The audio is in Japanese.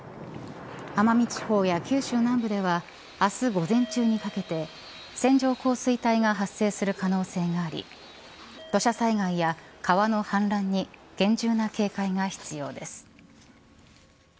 奄美地方や九州南部では明日、午前中にかけて線状降水帯が発生する可能性があり土砂災害や川の氾濫に厳重な警戒が必要です。